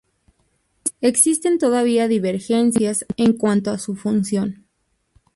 Existen todavía divergencias en cuanto a su función.